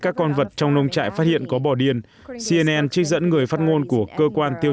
các con vật trong nông trại phát hiện có bò điên cnn trích dẫn người phát ngôn của cơ quan tiêu